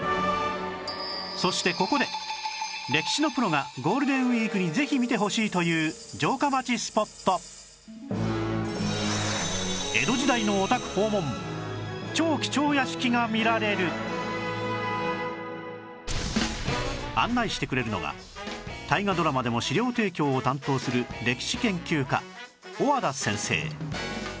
そしてここで歴史のプロがゴールデンウィークにぜひ見てほしいという城下町スポット案内してくれるのが大河ドラマでも資料提供を担当する歴史研究家小和田先生